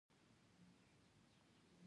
ما یو ټوټه ورکړه چې خپلې اوښکې پرې پاکې کړي